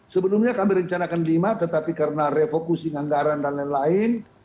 sebelumnya kami rencanakan lima tetapi karena refocusing anggaran dan lain lain